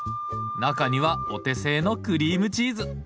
中にはお手製のクリームチーズ！